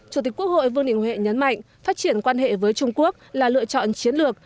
chủ tịch quốc hội vương đình huệ nhấn mạnh phát triển quan hệ với trung quốc là lựa chọn chiến lược